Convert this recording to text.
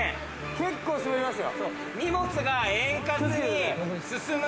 結構滑りますよ。